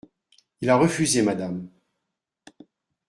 Il a refusé, madame…